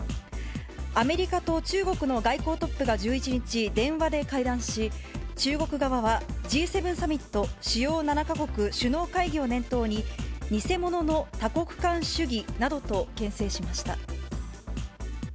アメリカと中国の外交トップが１１日、電話で会談し、中国側はＧ７サミット・主要７か国首脳会議を念頭に、偽物の多国間主義などとけん制しました。